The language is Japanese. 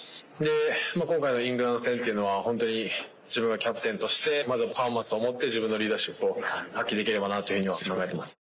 今回のイングランド戦っていうのは、本当に自分がキャプテンとして、まずパフォーマンスを持って、自分のリーダーシップを発揮できればなというふうには思ってます。